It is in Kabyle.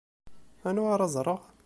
Anwa ara ẓṛeɣ?